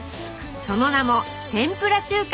その名も「天ぷら中華」！